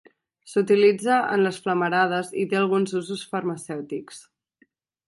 S'utilitza en les flamarades i té alguns usos farmacèutics.